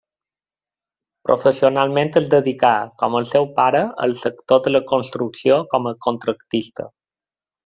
Professionalment es dedicà, com el seu pare, al sector de la construcció com a contractista.